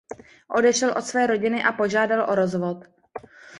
Odešel od své rodiny a požádal o rozvod.